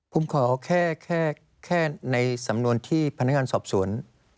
ผมขอแค่ในสำนวนที่พนักงานสอบสวน